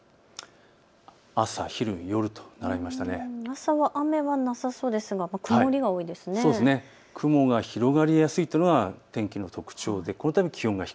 朝は雨はなさそうですが、雲が広がりやすいというのが天気の特徴です。